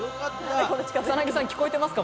草薙さん、聞こえてますか？